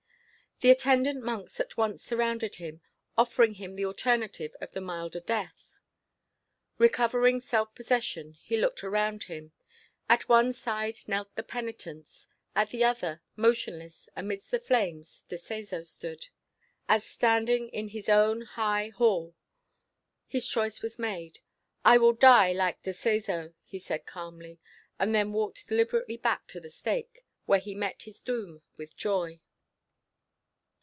The attendant monks at once surrounded him, offering him the alternative of the milder death. Recovering self possession, he looked around him. At one side knelt the penitents, at the other, motionless amidst the flames, De Seso stood, "As standing in his own high hall." His choice was made. "I will die like De Seso," he said calmly; and then walked deliberately back to the stake, where he met his doom with joy.